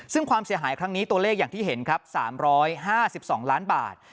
ซึ่งความเสียหายครั้งนี้ตัวเลขอย่างที่เห็นครับ๓๕๒ล้านบาท